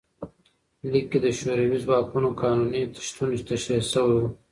لیک کې د شوروي ځواکونو قانوني شتون تشریح شوی و.